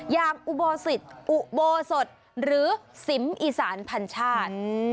อุโบสิตอุโบสถหรือสิมอีสานพันชาติ